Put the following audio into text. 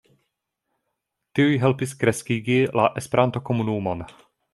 Tiuj helpis kreskigi la Esperanto-komunumon.